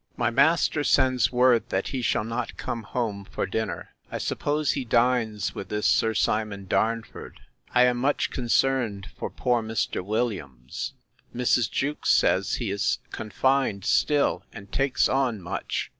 My master sends word, that he shall not come home to dinner: I suppose he dines with this Sir Simon Darnford. I am much concerned for poor Mr. Williams. Mrs. Jewkes says, he is confined still, and takes on much.